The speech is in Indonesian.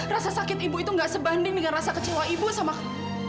rasa sakit ibu itu gak sebanding dengan rasa kecewa ibu sama kamu